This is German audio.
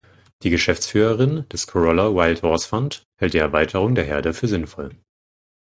Die Geschäftsführerin des "Corolla Wild Horse Fund" hält die Erweiterung der Herde für sinnvoll.